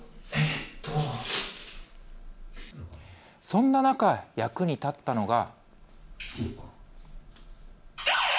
そんな中、役に立ったのが。